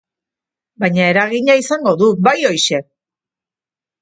Baina eragina izango du, bai horixe!